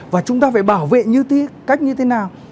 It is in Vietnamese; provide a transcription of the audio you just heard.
và chúng ta phải bảo vệ như cái cách như thế nào